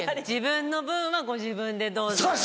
自分の分はご自分でどうぞ。